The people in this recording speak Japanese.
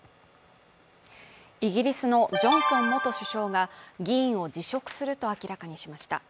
イギリスのジョンソン元首相が議員を辞職すると明らかにしました。